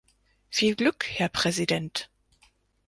Viel Glück, Herr Präsident!